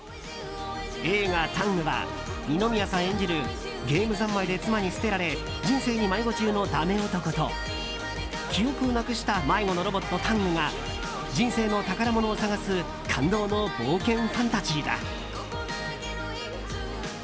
映画「ＴＡＮＧタング」は二宮さん演じるゲームざんまいで妻に捨てられ人生に迷子中のだめ男と記憶をなくした迷子のロボット・タングが人生の宝物を探す感動の冒険ファンタジーだ。